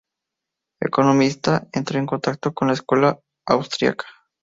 Economista, entró en contacto con la escuela austríaca.